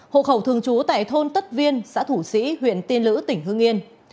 hộ khẩu thường trú tại thôn tất viên xã thủ sĩ huyện tiên lữ tỉnh hương yên